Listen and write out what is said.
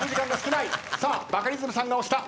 さあバカリズムさんが押した。